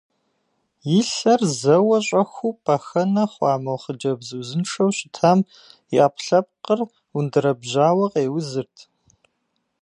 И лъэр зэуэ щӏэхуу пӏэхэнэ хъуа мо хъыджэбз узыншэу щытам и ӏэпкълъэпкъыр ундэрэбжьауэ къеузырт.